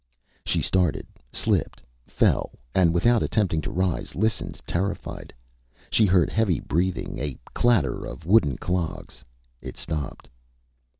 Â She started, slipped, fell; and without attempting to rise, listened, terrified. She heard heavy breathing, a clatter of wooden clogs. It stopped.